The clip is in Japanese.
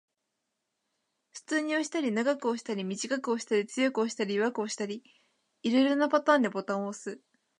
普通に押したり、長く押したり、短く押したり、強く押したり、弱く押したり、色々なパターンでボタンを押す